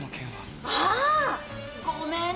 あーごめんね。